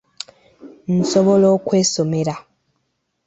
Nsobola okwesomera!